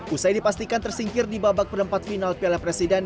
usai dipastikan tersingkir di babak perempat final piala presiden